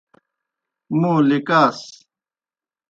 موں لِکاس۔